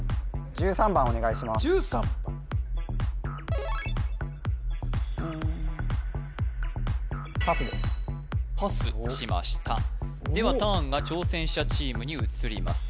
１３番ふんパスしましたではターンが挑戦者チームに移ります